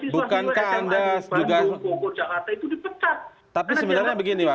bagaimana kita bisa mengatakan bahwa